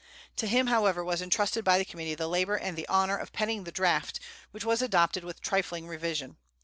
To him, however, was intrusted by the committee the labor and the honor of penning the draft, which was adopted with trifling revision.